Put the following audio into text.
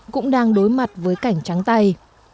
cũng đang đối mặt với cảnh trắng tay